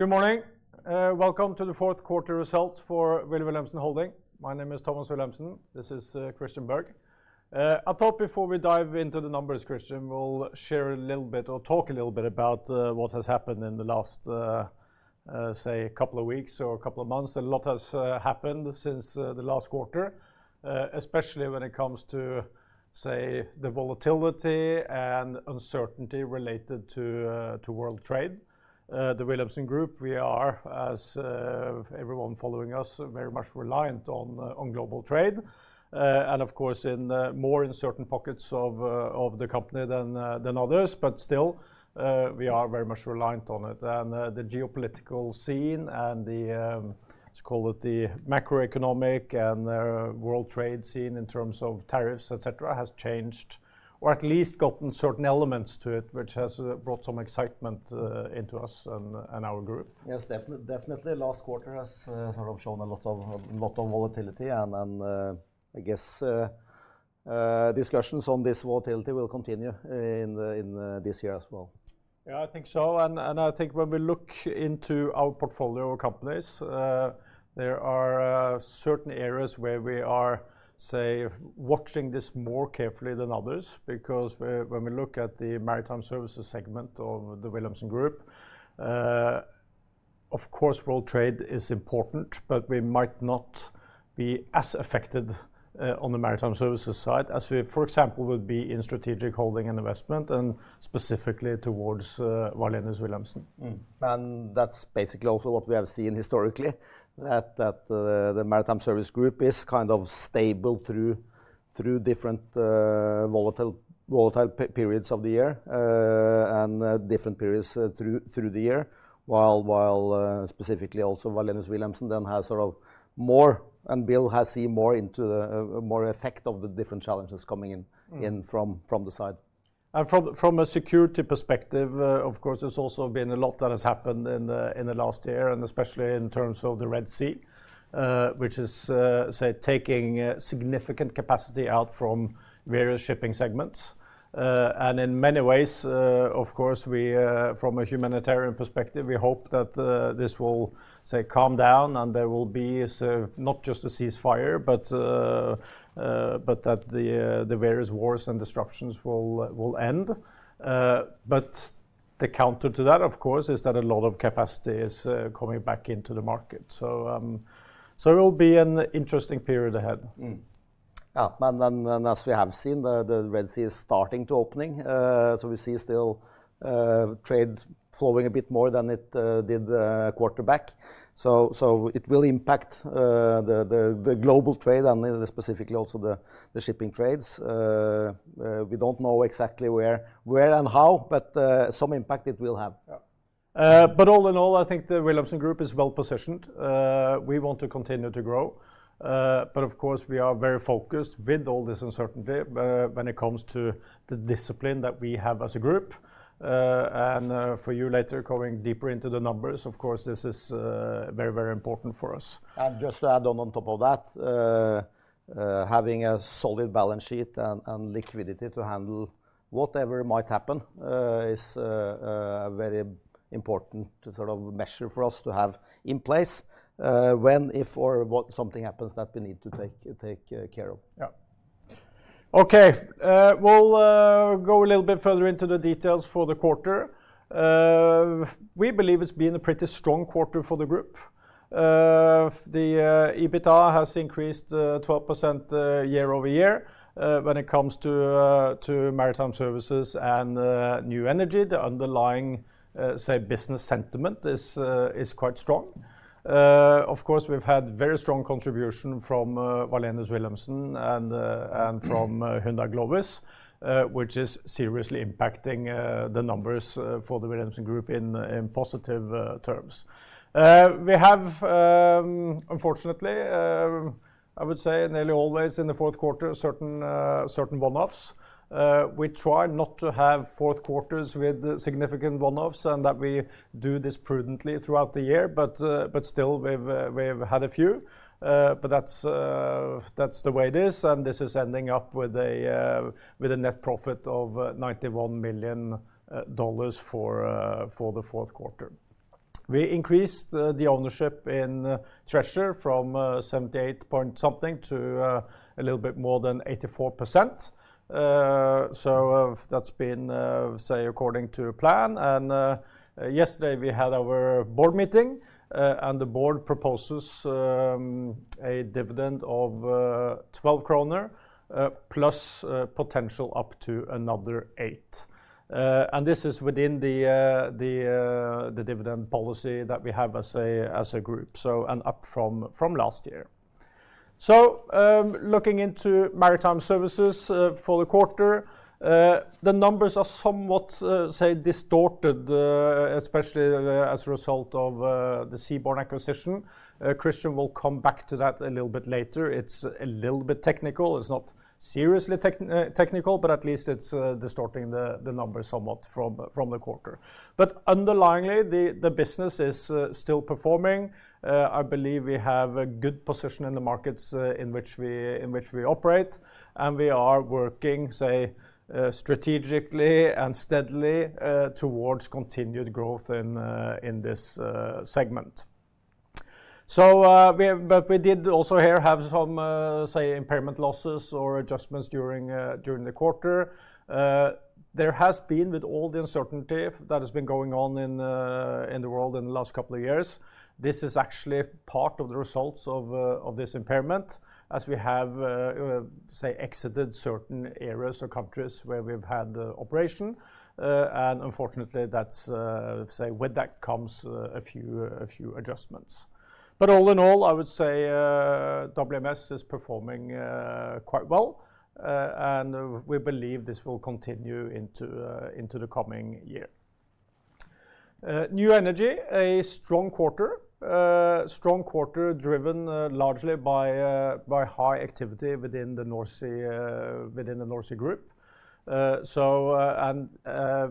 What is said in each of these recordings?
Good morning. Welcome to the fourth quarter results for Wilh Wilhelmsen Holding. My name is Thomas Wilhelmsen. This is Christian Berg. I thought before we dive into the numbers, Christian will share a little bit or talk a little bit about what has happened in the last, say, couple of weeks or couple of months. A lot has happened since the last quarter, especially when it comes to, say, the volatility and uncertainty related to world trade. The Wilhelmsen Group, we are, as everyone following us, very much reliant on global trade, and of course, in more uncertain pockets of the company than others, but still, we are very much reliant on it. The geopolitical scene and the, let's call it the macroeconomic and world trade scene in terms of tariffs, et cetera, has changed, or at least gotten certain elements to it, which has brought some excitement into us and our group. Yes, definitely. Last quarter has sort of shown a lot of volatility, and I guess discussions on this volatility will continue in this year as well. Yeah, I think so. And I think when we look into our portfolio of companies, there are certain areas where we are, say, watching this more carefully than others. Because when we look at the maritime services segment of the Wilhelmsen Group, of course, world trade is important, but we might not be as affected on the maritime services side as we, for example, would be in strategic holding and investment, and specifically towards Wallenius Wilhelmsen. That's basically also what we have seen historically, that the maritime service group is kind of stable through different volatile periods of the year and different periods through the year. While specifically also Wallenius Wilhelmsen then has sort of more, and Wallenius has seen more of the effect of the different challenges coming in from the side. And from a security perspective, of course, there's also been a lot that has happened in the last year, and especially in terms of the Red Sea, which is, say, taking significant capacity out from various shipping segments. And in many ways, of course, from a humanitarian perspective, we hope that this will, say, calm down and there will be not just a ceasefire, but that the various wars and disruptions will end. But the counter to that, of course, is that a lot of capacity is coming back into the market. So it will be an interesting period ahead. As we have seen, the Red Sea is starting to open. We still see trade flowing a bit more than it did a quarter back. It will impact the global trade and specifically also the shipping trades. We don't know exactly where and how, but some impact it will have. But all in all, I think the Wilhelmsen Group is well positioned. We want to continue to grow. But of course, we are very focused with all this uncertainty when it comes to the discipline that we have as a group. And for you later going deeper into the numbers, of course, this is very, very important for us. Just to add on top of that, having a solid balance sheet and liquidity to handle whatever might happen is a very important sort of measure for us to have in place when, if, or what something happens that we need to take care of. Yeah. Okay. We'll go a little bit further into the details for the quarter. We believe it's been a pretty strong quarter for the group. The EBITDA has increased 12% year over year when it comes to maritime services and new energy. The underlying, say, business sentiment is quite strong. Of course, we've had very strong contribution from Wallenius Wilhelmsen and from Hyundai Glovis, which is seriously impacting the numbers for the Wilhelmsen Group in positive terms. We have, unfortunately, I would say nearly always in the fourth quarter, certain one-offs. We try not to have fourth quarters with significant one-offs and that we do this prudently throughout the year, but still we've had a few. But that's the way it is. And this is ending up with a net profit of $91 million for the fourth quarter. We increased the ownership in Treasure from 78 point something to a little bit more than 84%. So that's been, say, according to plan. And yesterday we had our board meeting and the board proposes a dividend of 12 kroner plus potential up to another eight. And this is within the dividend policy that we have as a group, so and up from last year. So looking into maritime services for the quarter, the numbers are somewhat, say, distorted, especially as a result of the Zeaborn acquisition. Christian will come back to that a little bit later. It's a little bit technical. It's not seriously technical, but at least it's distorting the numbers somewhat from the quarter. But underlyingly, the business is still performing. I believe we have a good position in the markets in which we operate. We are working, say, strategically and steadily towards continued growth in this segment. We did also here have some, say, impairment losses or adjustments during the quarter. There has been, with all the uncertainty that has been going on in the world in the last couple of years, this is actually part of the results of this impairment as we have, say, exited certain areas or countries where we've had operations. Unfortunately, say, with that comes a few adjustments. All in all, I would say WMS is performing quite well. We believe this will continue into the coming year. New Energy, a strong quarter, strong quarter driven largely by high activity within the NorSea Group.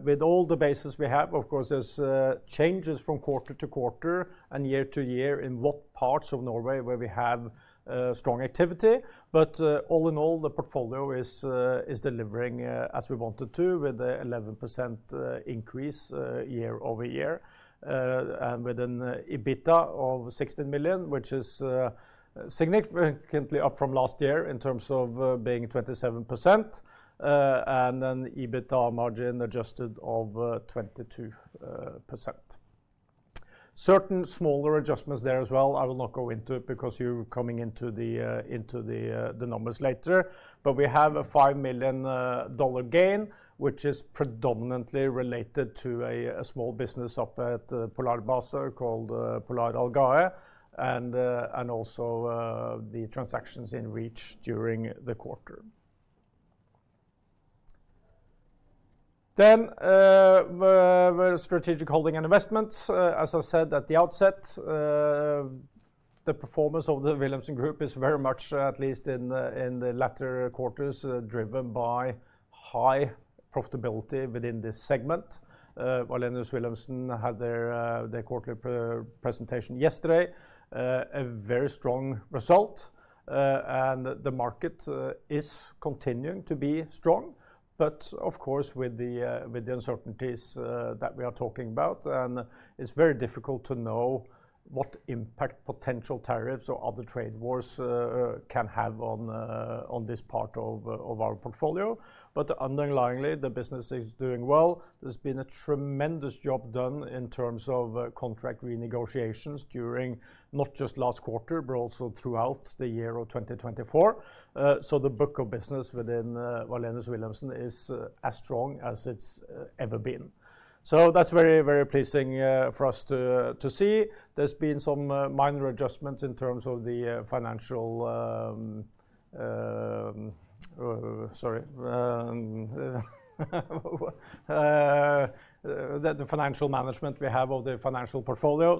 With all the bases we have, of course, there's changes from quarter to quarter and year to year in what parts of Norway where we have strong activity. But all in all, the portfolio is delivering as we wanted to with an 11% increase year over year. And with an EBITDA of 16 million, which is significantly up from last year in terms of being 27%. And an EBITDA margin adjusted of 22%. Certain smaller adjustments there as well. I will not go into it because you're coming into the numbers later. But we have a $5 million gain, which is predominantly related to a small business up at Polarbase called Polar Algae. And also the transactions in Reach during the quarter. Then strategic holding and investments, as I said at the outset, the performance of the Wilhelmsen Group is very much, at least in the latter quarters, driven by high profitability within this segment. Wilhelmsen had their quarterly presentation yesterday, a very strong result. And the market is continuing to be strong. But of course, with the uncertainties that we are talking about, and it's very difficult to know what impact potential tariffs or other trade wars can have on this part of our portfolio. But underlyingly, the business is doing well. There's been a tremendous job done in terms of contract renegotiations during not just last quarter, but also throughout the year of 2024. So the book of business within Wallenius Wilhelmsen is as strong as it's ever been. So that's very, very pleasing for us to see. There's been some minor adjustments in terms of the financial, sorry, the financial management we have of the financial portfolio.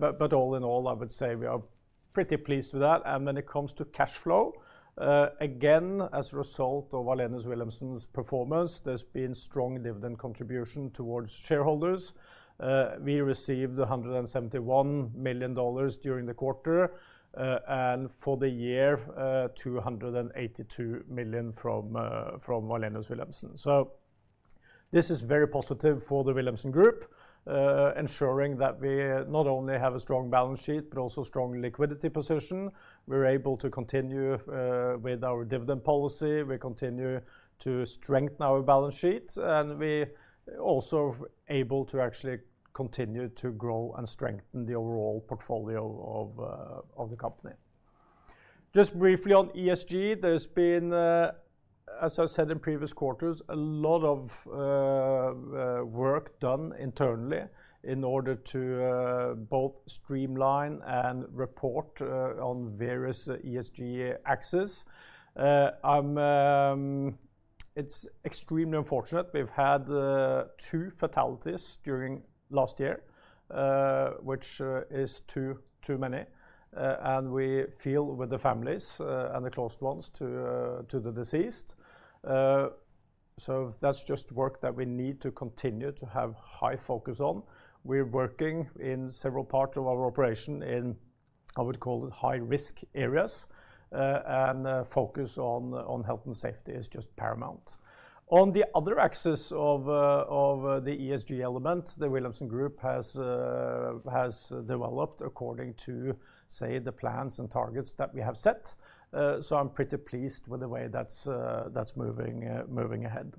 But all in all, I would say we are pretty pleased with that. And when it comes to cash flow, again, as a result of Wallenius Wilhelmsen's performance, there's been strong dividend contribution towards shareholders. We received $171 million during the quarter and for the year, $282 million from Wallenius Wilhelmsen, so this is very positive for the Wilhelmsen Group, ensuring that we not only have a strong balance sheet, but also strong liquidity position. We're able to continue with our dividend policy. We continue to strengthen our balance sheet, and we're also able to actually continue to grow and strengthen the overall portfolio of the company. Just briefly on ESG, there's been, as I said in previous quarters, a lot of work done internally in order to both streamline and report on various ESG aspects. It's extremely unfortunate. We've had two fatalities during last year, which is too many, and we feel with the families and the close ones to the deceased, so that's just work that we need to continue to have high focus on. We're working in several parts of our operation in, I would call it, high-risk areas, and focus on health and safety is just paramount. On the other axis of the ESG element, the Wilhelmsen Group has developed according to, say, the plans and targets that we have set, so I'm pretty pleased with the way that's moving ahead,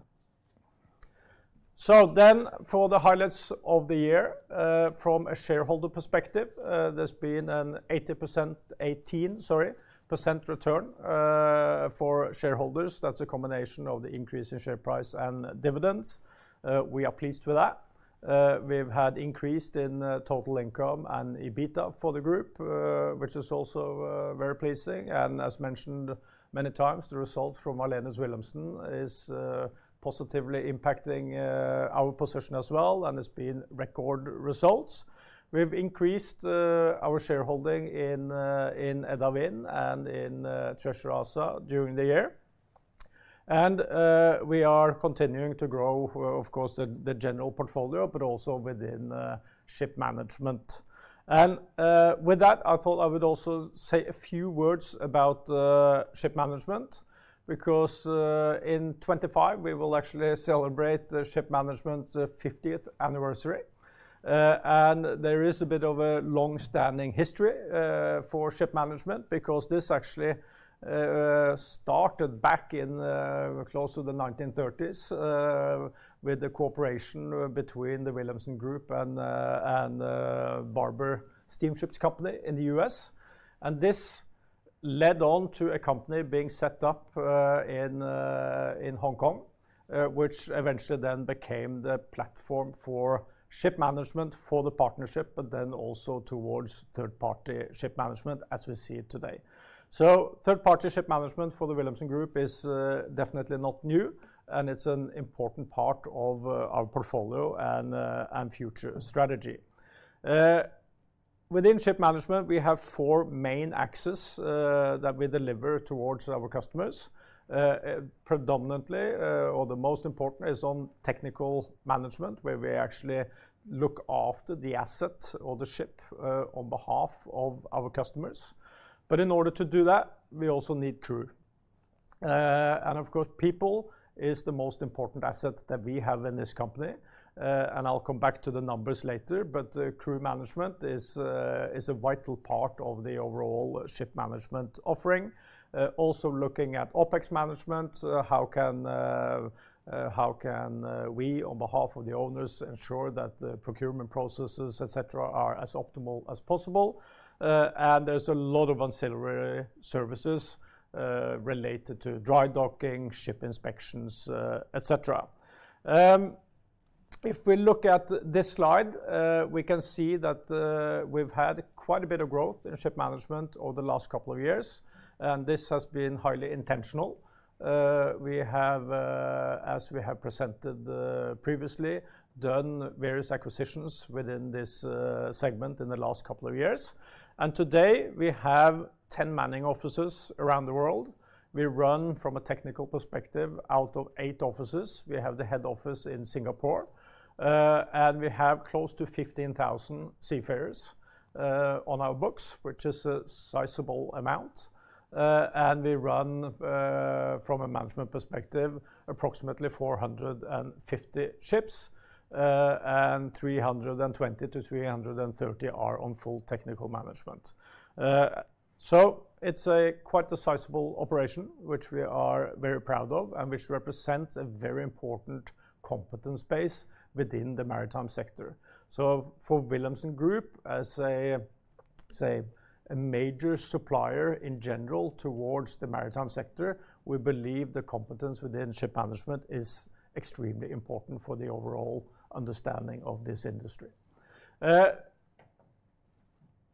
so then for the highlights of the year, from a shareholder perspective, there's been an 80%, 18% return for shareholders. That's a combination of the increase in share price and dividends. We are pleased with that. We've had increased in total income and EBITDA for the group, which is also very pleasing, and as mentioned many times, the results from Wallenius Wilhelmsen is positively impacting our position as well, and it's been record results. We've increased our shareholding in Edda Wind and in Treasure ASA during the year. We are continuing to grow, of course, the general portfolio, but also within ship management. With that, I thought I would also say a few words about ship management. Because in 2025, we will actually celebrate the ship management 50th anniversary. There is a bit of a long-standing history for ship management because this actually started back in close to the 1930s with the cooperation between the Wilhelmsen Group and Barber Steamship Lines in the U.S. This led on to a company being set up in Hong Kong, which eventually then became the platform for ship management for the partnership, but then also towards third-party ship management as we see it today. Third-party ship management for the Wilhelmsen Group is definitely not new. It is an important part of our portfolio and future strategy. Within ship management, we have four main axes that we deliver towards our customers. Predominantly, or the most important, is on technical management, where we actually look after the asset or the ship on behalf of our customers, but in order to do that, we also need crew, and of course, people is the most important asset that we have in this company, and I'll come back to the numbers later, but crew management is a vital part of the overall ship management offering. Also, looking at OPEX management, how can we on behalf of the owners ensure that the procurement processes, et cetera, are as optimal as possible? And there's a lot of ancillary services related to dry docking, ship inspections, et cetera. If we look at this slide, we can see that we've had quite a bit of growth in ship management over the last couple of years. This has been highly intentional. We have, as we have presented previously, done various acquisitions within this segment in the last couple of years. Today, we have 10 manning offices around the world. We run from a technical perspective out of eight offices. We have the head office in Singapore. We have close to 15,000 seafarers on our books, which is a sizable amount. We run from a management perspective approximately 450 ships. And 320-330 are on full technical management. It's quite a sizable operation, which we are very proud of and which represents a very important competence base within the maritime sector. For Wilhelmsen Group, as a major supplier in general towards the maritime sector, we believe the competence within ship management is extremely important for the overall understanding of this industry.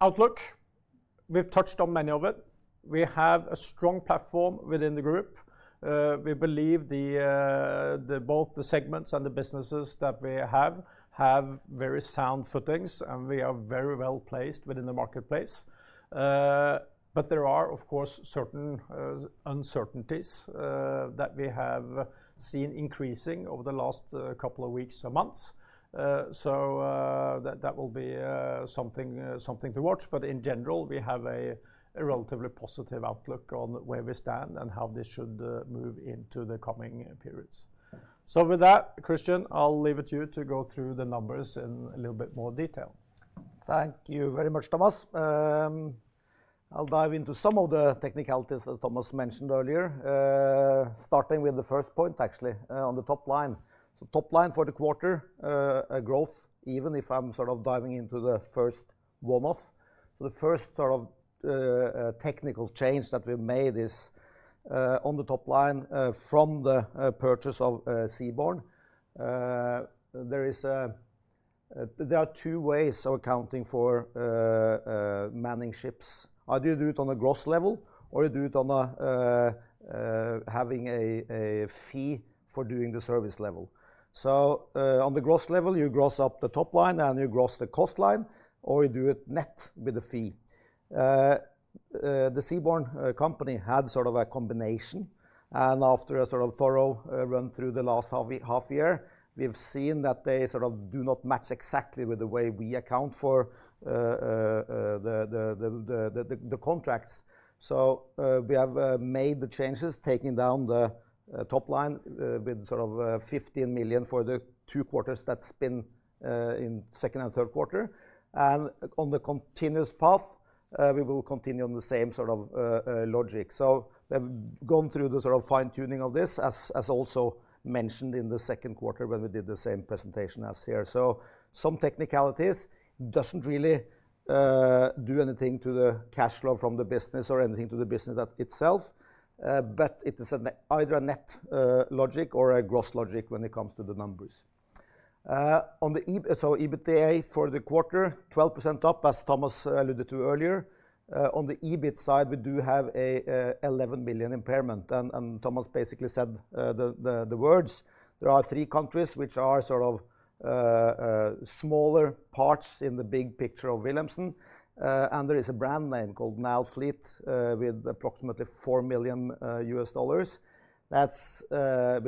Outlook, we've touched on many of it. We have a strong platform within the group. We believe both the segments and the businesses that we have have very sound footings. And we are very well placed within the marketplace. But there are, of course, certain uncertainties that we have seen increasing over the last couple of weeks or months. So that will be something to watch. But in general, we have a relatively positive outlook on where we stand and how this should move into the coming periods. So with that, Christian, I'll leave it to you to go through the numbers in a little bit more detail. Thank you very much, Thomas. I'll dive into some of the technicalities that Thomas mentioned earlier, starting with the first point, actually, on the top line. So top line for the quarter, growth, even if I'm sort of diving into the first one-off. The first sort of technical change that we made is on the top line from the purchase of Zeaborn. There are two ways of accounting for manning ships. Either you do it on a gross level or you do it on having a fee for doing the service level. On the gross level, you gross up the top line and you gross the cost line. Or you do it net with a fee. The Zeaborn company had sort of a combination. And after a sort of thorough run through the last half year, we've seen that they sort of do not match exactly with the way we account for the contracts. We have made the changes, taking down the top line with sort of 15 million for the two quarters that's been in second and third quarter. On the continuous path, we will continue on the same sort of logic. We've gone through the sort of fine-tuning of this, as also mentioned in the second quarter when we did the same presentation as here. Some technicalities doesn't really do anything to the cash flow from the business or anything to the business itself. It is either a net logic or a gross logic when it comes to the numbers. EBITDA for the quarter, 12% up, as Thomas alluded to earlier. On the EBIT side, we do have a 11 million impairment. Thomas basically said the words. There are three countries which are sort of smaller parts in the big picture of Wilhelmsen. There is a brand name called NorLines with approximately $4 million. We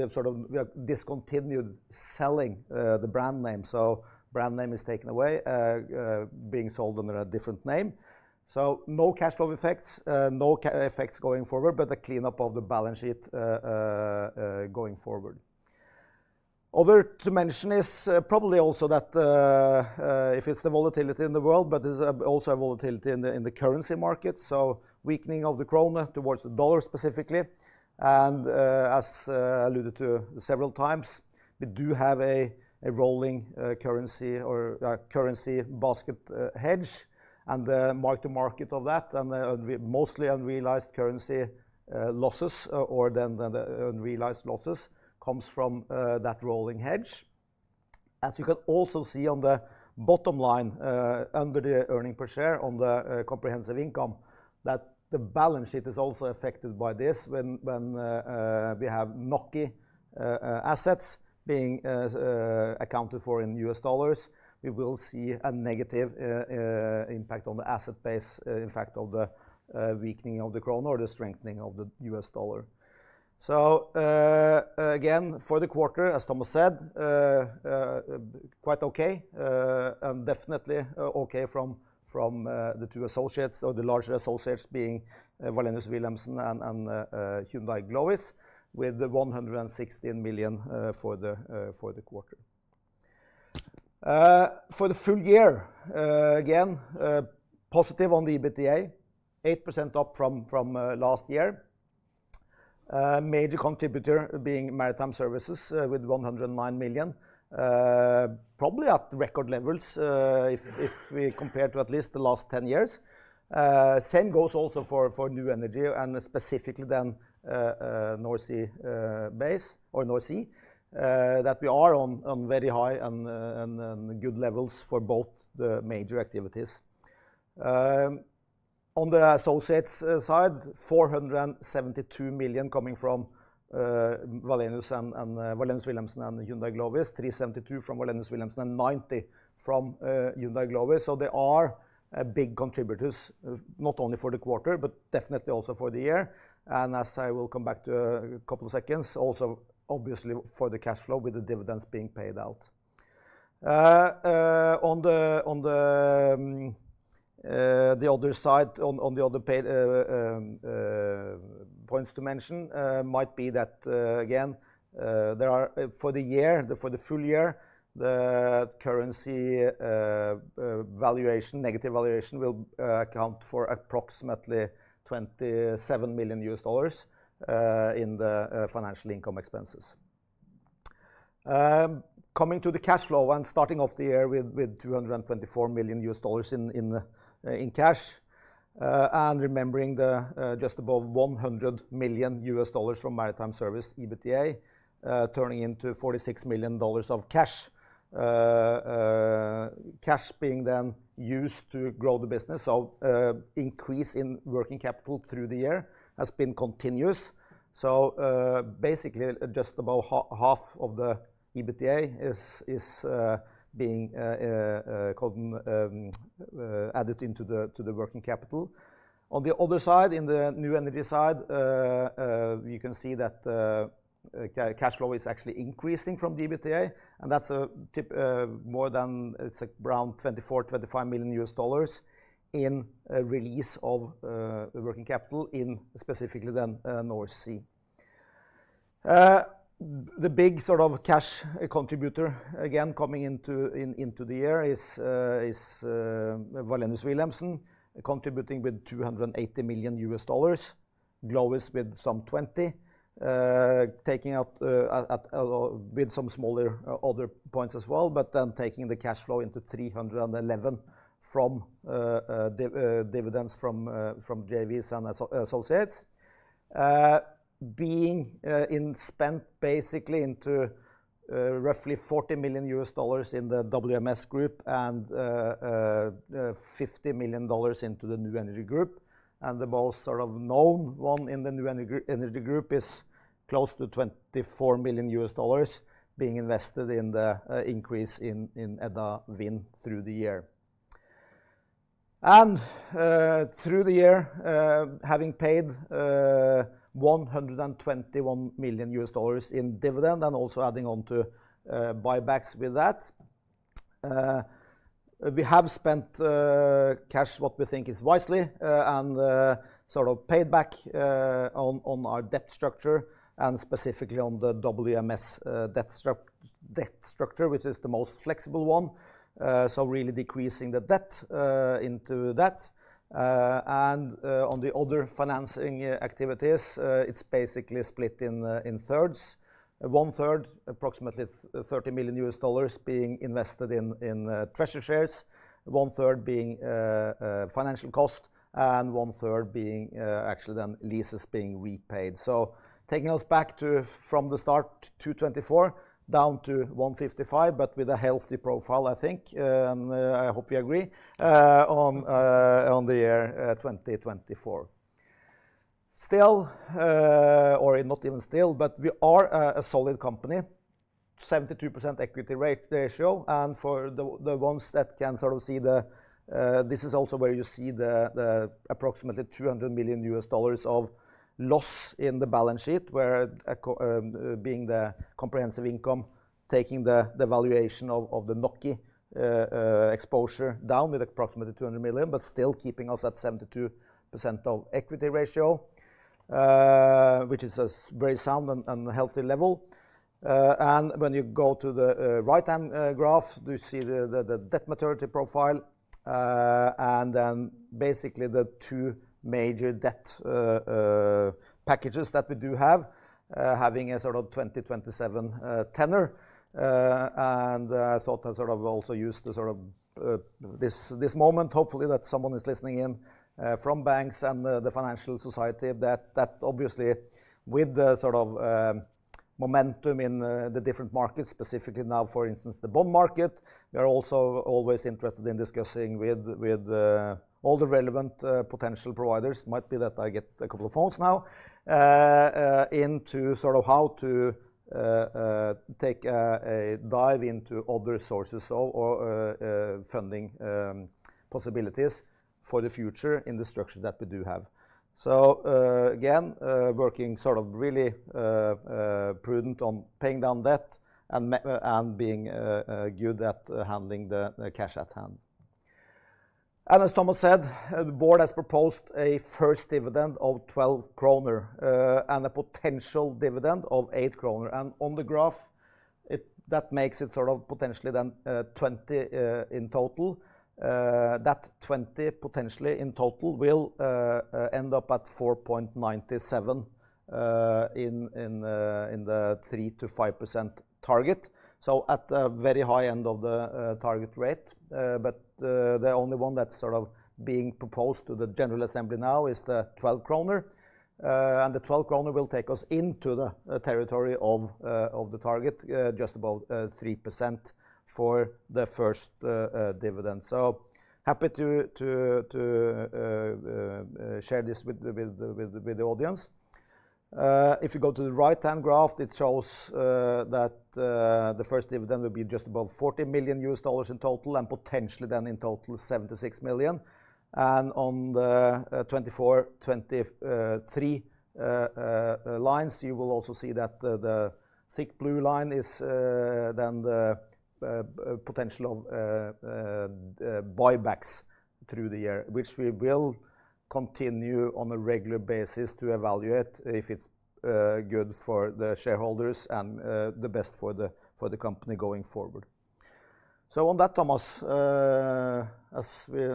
have sort of discontinued selling the brand name. So, brand name is taken away, being sold under a different name. So, no cash flow effects, no effects going forward, but a cleanup of the balance sheet going forward. Other to mention is probably also that if it's the volatility in the world, but it's also a volatility in the currency market. So, weakening of the krone towards the dollar specifically. And as alluded to several times, we do have a rolling currency or currency basket hedge. And the mark-to-market of that and mostly unrealized currency losses or then the unrealized losses comes from that rolling hedge. As you can also see on the bottom line under the earnings per share on the comprehensive income, that the balance sheet is also affected by this. When we have NOK assets being accounted for in US dollars, we will see a negative impact on the asset base, in fact, of the weakening of the krone or the strengthening of the US dollar. So again, for the quarter, as Thomas said, quite okay, and definitely okay from the two associates or the larger associates being Wallenius Wilhelmsen and Hyundai Glovis with 116 million for the quarter. For the full year, again, positive on the EBITDA, 8% up from last year. Major contributor being maritime services with 109 million, probably at record levels if we compare to at least the last 10 years. Same goes also for new energy and specifically then NorSea base or NorSea that we are on very high and good levels for both the major activities. On the associates side, 472 million coming from Wallenius Wilhelmsen. and Hyundai Glovis, $372 from Wallenius Wilhelmsen and $90 from Hyundai Glovis. So they are big contributors, not only for the quarter, but definitely also for the year. And as I will come back to a couple of seconds, also obviously for the cash flow with the dividends being paid out. On the other side, on the other points to mention might be that again, for the year, for the full year, the currency valuation, negative valuation will account for approximately $27 million in the financial income expenses. Coming to the cash flow and starting off the year with $224 million in cash. And remembering the just above $100 million from Maritime Services EBITDA turning into $46 million of cash. Cash being then used to grow the business. So increase in working capital through the year has been continuous. So basically just about half of the EBITDA is being added into the working capital. On the other side, in the new energy side, you can see that cash flow is actually increasing from the EBITDA. And that's more than it's around $24-$25 million in release of working capital in specifically then NorSea. The big sort of cash contributor again coming into the year is Wallenius Wilhelmsen contributing with $280 million. Glovis with some $20, taking out with some smaller other points as well, but then taking the cash flow into $311 million from dividends from JVs and associates. Being spent basically into roughly $40 million in the WMS group and $50 million into the new energy group. The most sort of known one in the New Energy group is close to $24 million being invested in the increase in Edda Wind through the year. Through the year, having paid $121 million in dividend and also adding on to buybacks with that. We have spent cash, what we think is wisely, and sort of paid back on our debt structure and specifically on the WMS debt structure, which is the most flexible one. Really decreasing the debt into that. On the other financing activities, it's basically split in thirds. One third, approximately $30 million being invested in treasury shares, one third being financial cost, and one third being actually then leases being repaid. Taking us back to from the start 224 down to 155, but with a healthy profile, I think. I hope you agree on the year 2024. Still, or not even still, but we are a solid company, 72% equity ratio. For the ones that can sort of see the, this is also where you see the approximately $200 million of loss in the balance sheet, where being the comprehensive income, taking the valuation of the NOK exposure down with approximately 200 million, but still keeping us at 72% of equity ratio, which is a very sound and healthy level. When you go to the right-hand graph, you see the debt maturity profile. Then basically the two major debt packages that we do have, having a sort of 2027 tenor. I thought I'd also use this moment, hopefully that someone is listening in from banks and the financial society, that obviously with the sort of momentum in the different markets, specifically now, for instance, the bond market, we are also always interested in discussing with all the relevant potential providers. Might be that I get a couple of phones now into sort of how to take a dive into other sources or funding possibilities for the future in the structure that we do have. Again, working sort of really prudent on paying down debt and being good at handling the cash at hand. As Thomas said, the board has proposed a first dividend of 12 kroner and a potential dividend of 8 kroner. In aggregate, that makes it sort of potentially then 20 in total. That 20 potentially in total will end up at 4.97 in the 3%-5% target. So at the very high end of the target rate. But the only one that's sort of being proposed to the General Assembly now is the 12 kroner. And the 12 kroner will take us into the territory of the target, just about 3% for the first dividend. So happy to share this with the audience. If you go to the right-hand graph, it shows that the first dividend will be just about $40 million in total and potentially then in total $76 million. And on the 24, 23 lines, you will also see that the thick blue line is then the potential of buybacks through the year, which we will continue on a regular basis to evaluate if it's good for the shareholders and the best for the company going forward. So on that, Thomas, as we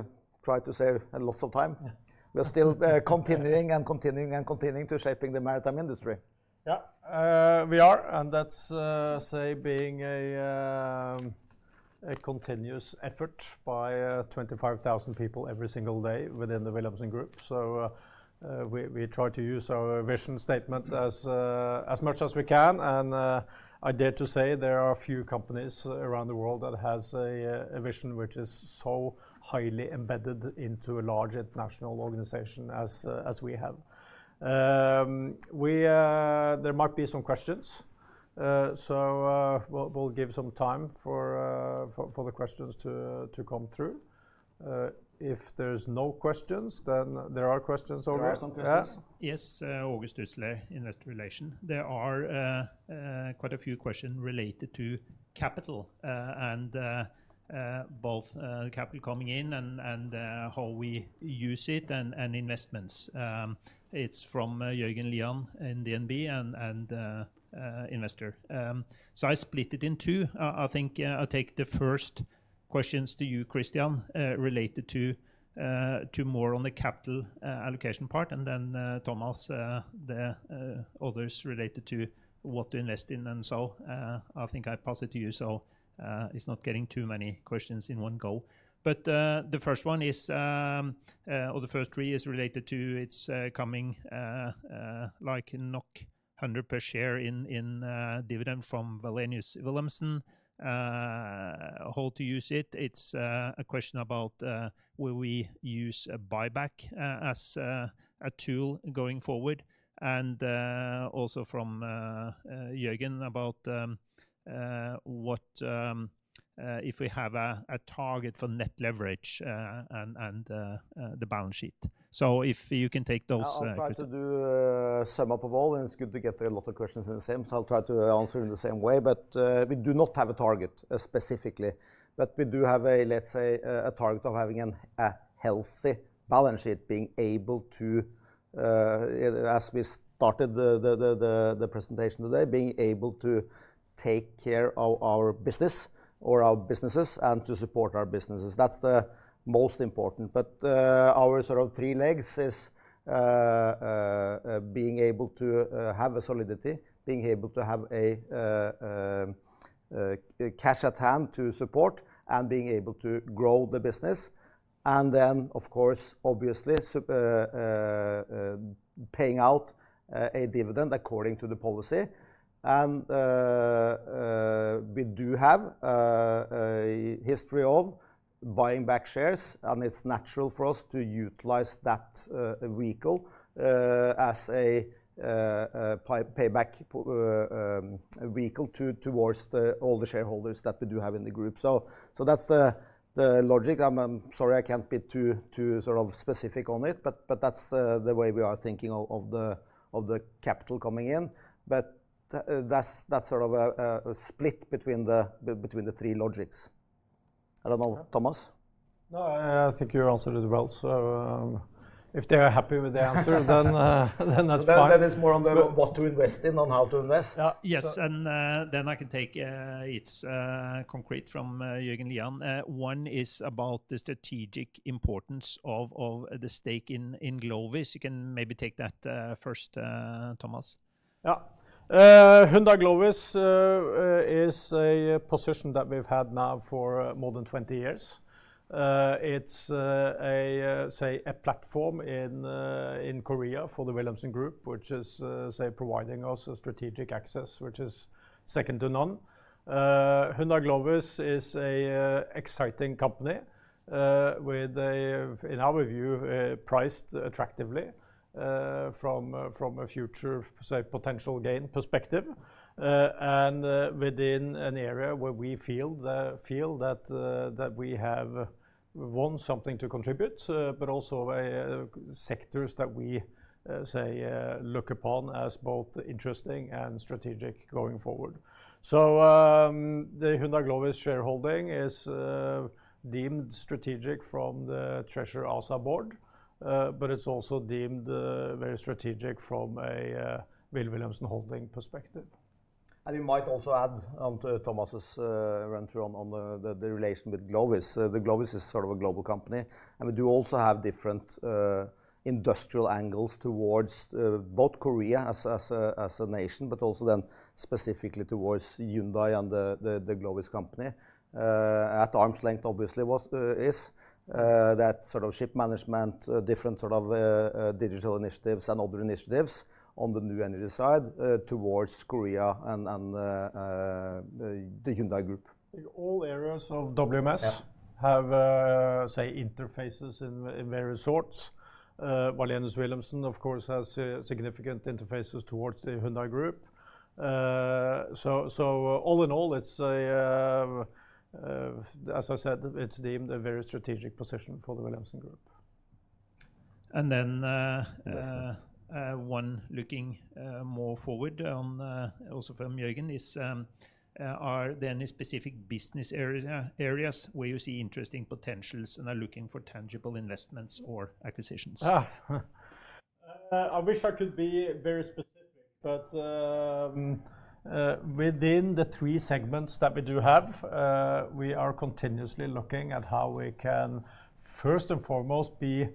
try to save lots of time, we're still continuing and continuing and continuing to shaping the maritime industry. Yeah, we are. And that's, say, being a continuous effort by 25,000 people every single day within the Wilhelmsen Group. We try to use our vision statement as much as we can. And I dare to say there are a few companies around the world that have a vision which is so highly embedded into a large international organization as we have. There might be some questions. We'll give some time for the questions to come through. If there's no questions, then there are questions already. There are some questions. Yes, Åge Sturtzel, Investor Relations. There are quite a few questions related to capital and both capital coming in and how we use it and investments. It's from Jørgen Lian in DNB and investor. I split it in two. I think I'll take the first questions to you, Christian, related to more on the capital allocation part. Then Thomas, the others related to what to invest in. I think I pass it to you. It's not getting too many questions in one go. The first one is, or the first three is related to its coming like 100 per share in dividend from Wilhelmsen. How to use it? It's a question about will we use a buyback as a tool going forward? Also from Jørgen about what if we have a target for net leverage and the balance sheet. If you can take those. I'll try to do a sum up of all. It's good to get a lot of questions in the same. I'll try to answer in the same way. But we do not have a target specifically. But we do have a, let's say, a target of having a healthy balance sheet, being able to, as we started the presentation today, being able to take care of our business or our businesses and to support our businesses. That's the most important. But our sort of three legs is being able to have a solidity, being able to have cash at hand to support, and being able to grow the business. And then, of course, obviously paying out a dividend according to the policy. And we do have a history of buying back shares. And it's natural for us to utilize that vehicle as a payback vehicle towards all the shareholders that we do have in the group. So that's the logic. I'm sorry, I can't be too sort of specific on it, but that's the way we are thinking of the capital coming in. But that's sort of a split between the three logistics. I don't know, Thomas. No, I think you answered it well. So if they are happy with the answer, then that's fine. Then it's more on what to invest in and how to invest. Yes. And then I can take it. It's concrete from Jørgen Lian. One is about the strategic importance of the stake in Glovis. You can maybe take that first, Thomas. Yeah. Hyundai Glovis is a position that we've had now for more than 20 years. It's a, say, a platform in Korea for the Wilhelmsen Group, which is, say, providing us a strategic access, which is second to none. Hyundai Glovis is an exciting company with, in our view, priced attractively from a future, say, potential gain perspective, and within an area where we feel that we have won something to contribute, but also sectors that we say look upon as both interesting and strategic going forward, so the Hyundai Glovis shareholding is deemed strategic from the Treasure ASA board, but it's also deemed very strategic from a Wilhelmsen Holding perspective and we might also add on to Thomas's rant on the relation with Glovis. The Glovis is sort of a global company, and we do also have different industrial angles towards both Korea as a nation, but also then specifically towards Hyundai and the Glovis company. At arm's length, obviously, is that sort of ship management, different sort of digital initiatives and other initiatives on the new energy side towards Korea and the Hyundai Group. All areas of WMS have, say, interfaces in various sorts. Wilhelmsen, of course, has significant interfaces towards the Hyundai Group. So all in all, it's, as I said, it's deemed a very strategic position for the Wilhelmsen Group. And then one looking more forward on also from Jørgen is, are there any specific business areas where you see interesting potentials and are looking for tangible investments or acquisitions? I wish I could be very specific, but within the three segments that we do have, we are continuously looking at how we can first and foremost be,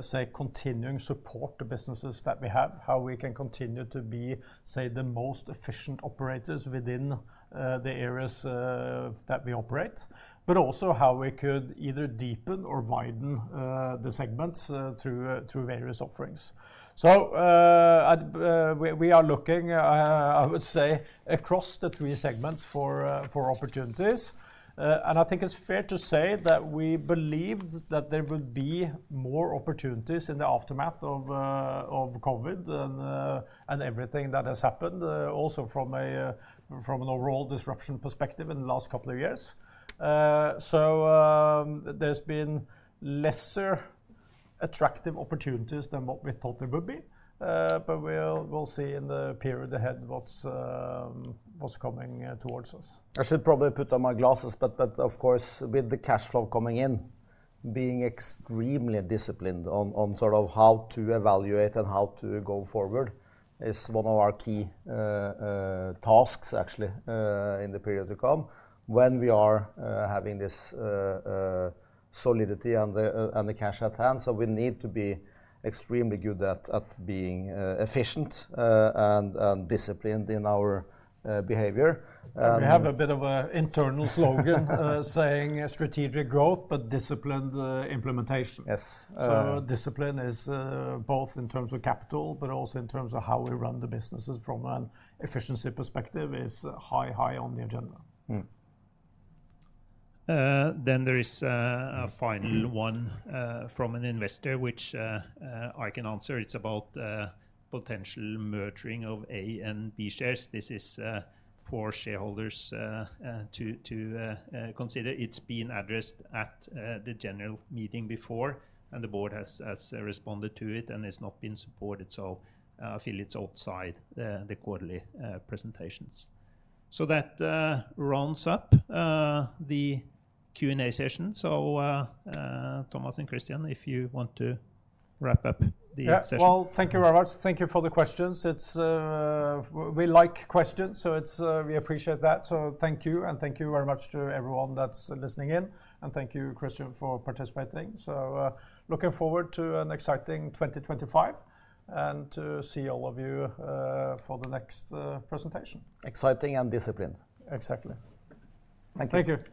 say, continuing support the businesses that we have, how we can continue to be, say, the most efficient operators within the areas that we operate, but also how we could either deepen or widen the segments through various offerings. So we are looking, I would say, across the three segments for opportunities. And I think it's fair to say that we believed that there would be more opportunities in the aftermath of COVID and everything that has happened, also from an overall disruption perspective in the last couple of years. So there's been lesser attractive opportunities than what we thought there would be. But we'll see in the period ahead what's coming towards us. I should probably put on my glasses, but of course, with the cash flow coming in, being extremely disciplined on sort of how to evaluate and how to go forward is one of our key tasks, actually, in the period to come when we are having this solidity and the cash at hand. So we need to be extremely good at being efficient and disciplined in our behavior. We have a bit of an internal slogan saying strategic growth, but disciplined implementation. Yes. Discipline is both in terms of capital, but also in terms of how we run the businesses from an efficiency perspective is high on the agenda. There is a final one from an investor, which I can answer. It's about potential merger of A and B shares. This is for shareholders to consider. It's been addressed at the general meeting before, and the board has responded to it and has not been supported. I feel it's outside the quarterly presentations. That rounds up the Q&A session. Thomas and Christian, if you want to wrap up the session. Thank you very much. Thank you for the questions. We like questions, so we appreciate that. Thank you. And thank you very much to everyone that's listening in. And thank you, Christian, for participating. So looking forward to an exciting 2025 and to see all of you for the next presentation. Exciting and disciplined. Exactly. Thank you. Thank you.